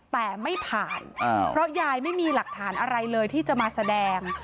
แต่ไม่ผ่านเพราะยายไม่มีหลักฐานอะไรเลยที่จะมาแสดง